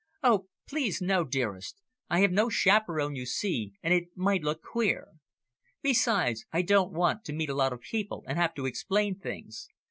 "Oh, please no, dearest. I have no chaperon, you see, and it might look queer. Besides, I don't want to meet a lot of people, and have to explain things.